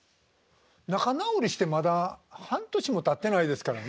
仲直りしてまだ半年もたってないですからね。